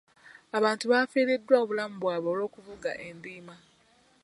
Abantu bafiiriddwa obulamu bwabwe olw'okuvuga endiima.